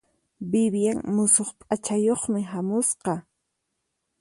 Vivian musuq p'achayuqmi hamusqa.